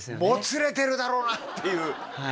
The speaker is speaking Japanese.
もつれてるだろうなっていう。